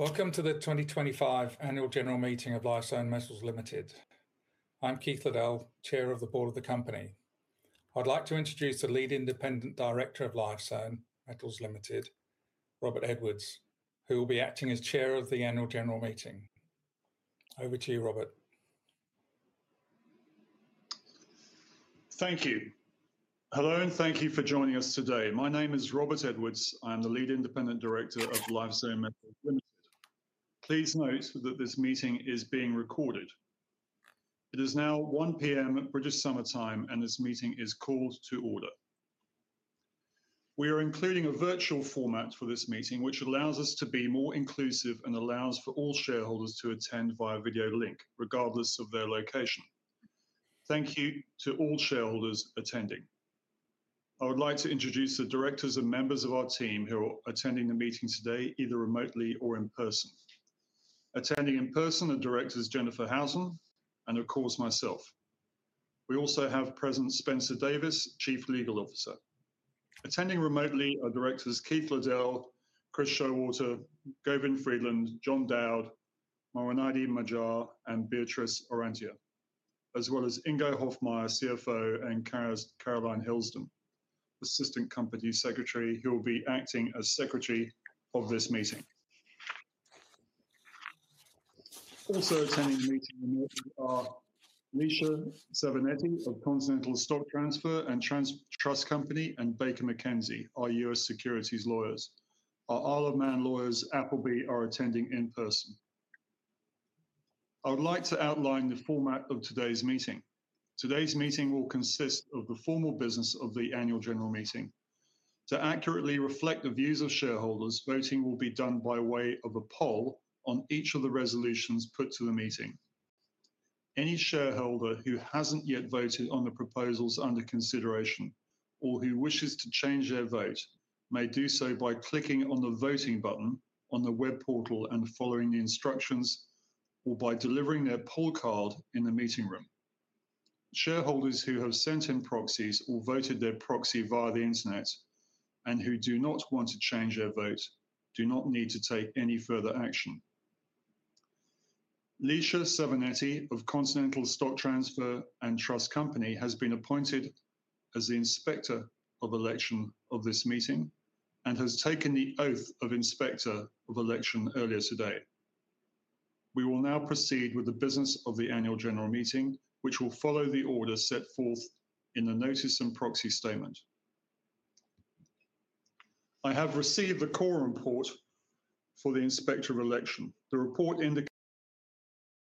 Welcome to the 2025 Annual General Meeting of Lifezone Metals Limited. I'm Keith Liddell, Chair of the Board of the Company. I'd like to introduce the Lead Independent Director of Lifezone Metals Limited, Robert Edwards, who will be acting as Chair of the Annual General Meeting. Over to you, Robert. Thank you. Hello and thank you for joining us today. My name is Robert Edwards. I am the Lead Independent Director of Lifezone Metals Limited. Please note that this meeting is being recorded. It is now 1:00 P.M. British Summer Time, and this meeting is called to order. We are including a virtual format for this meeting, which allows us to be more inclusive and allows for all shareholders to attend via video link, regardless of their location. Thank you to all shareholders attending. I would like to introduce the directors and members of our team who are attending the meeting today, either remotely or in person. Attending in person are Directors Jennifer Husen and, of course, myself. We also have present Spencer Davis, Chief Legal Officer. Attending remotely are Directors Keith Liddell, Chris Showalter, Gavin Friedland, John Dowd, Mwanaidi Maajar, and Beatriz Orrantia, as well as Ingo Hofmaier, CFO, and Caroline Hillsden, Assistant Company Secretary, who will be acting as Secretary of this meeting. Also attending the meeting remotely are Nisha Savanetti of Continental Stock Transfer and Trust Company and Baker McKenzie, our U.S. securities lawyers. Our Isle of Man lawyers, Appleby, are attending in person. I would like to outline the format of today's meeting. Today's meeting will consist of the formal business of the Annual General Meeting. To accurately reflect the views of shareholders, voting will be done by way of a poll on each of the resolutions put to the meeting. Any shareholder who hasn't yet voted on the proposals under consideration or who wishes to change their vote may do so by clicking on the voting button on the web portal and following the instructions, or by delivering their poll card in the meeting room. Shareholders who have sent in proxies or voted their proxy via the Internet and who do not want to change their vote do not need to take any further action. Nisha Savanetti of Continental Stock Transfer and Trust Company has been appointed as the Inspector of Election of this meeting and has taken the oath of Inspector of Election earlier today. We will now proceed with the business of the Annual General Meeting, which will follow the order set forth in the Notice and Proxy Statement. I have received the core report for the Inspector of Election. The report indicates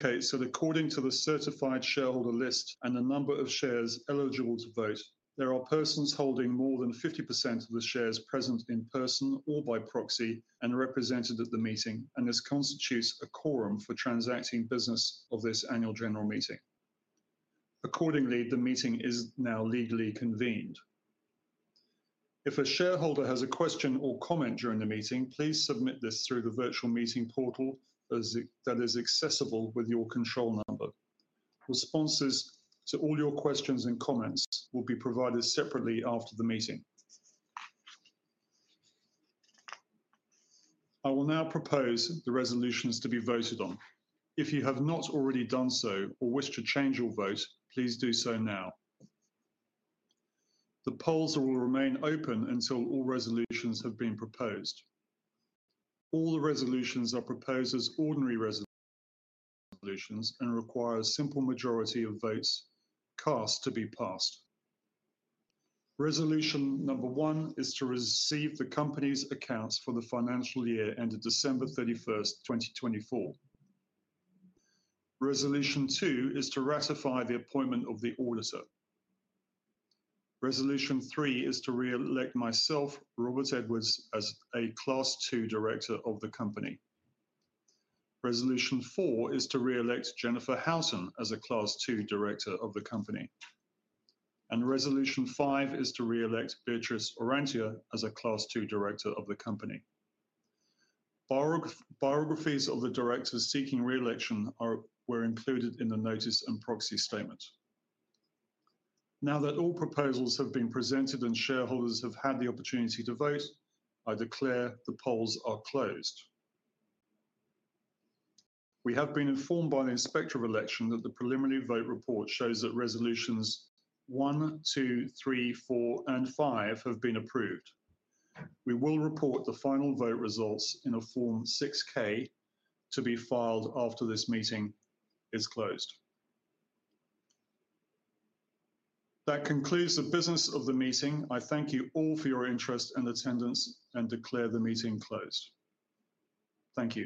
that according to the certified shareholder list and the number of shares eligible to vote, there are persons holding more than 50% of the shares present in person or by proxy and represented at the meeting, and this constitutes a quorum for transacting business of this Annual General Meeting. Accordingly, the meeting is now legally convened. If a shareholder has a question or comment during the meeting, please submit this through the virtual meeting portal that is accessible with your control number. Responses to all your questions and comments will be provided separately after the meeting. I will now propose the resolutions to be voted on. If you have not already done so or wish to change your vote, please do so now. The polls will remain open until all resolutions have been proposed. All the resolutions are proposed as ordinary resolutions and require a simple majority of votes cast to be passed. Resolution number one is to receive the company's accounts for the financial year ended December 31, 2024. Resolution two is to ratify the appointment of the auditor. Resolution three is to re-elect myself, Robert Edwards, as a Class Two Director of the Company. Resolution four is to re-elect Jennifer Husen as a Class Two Director of the Company. Resolution five is to re-elect Beatrice Orantia as a Class Two Director of the Company. Biographies of the directors seeking re-election were included in the Notice and Proxy Statement. Now that all proposals have been presented and shareholders have had the opportunity to vote, I declare the polls are closed. We have been informed by the Inspector of Election that the preliminary vote report shows that resolutions one, two, three, four, and five have been approved. We will report the final vote results in a Form 6K to be filed after this meeting is closed. That concludes the business of the meeting. I thank you all for your interest and attendance and declare the meeting closed. Thank you.